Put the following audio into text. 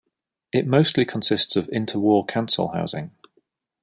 It mostly consists of interwar council housing.